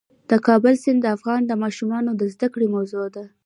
د کابل سیند د افغان ماشومانو د زده کړې موضوع ده.